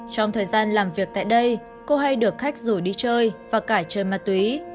trong thời gian làm việc tại đây cô hay được khách rủ đi chơi và cả chơi ma túy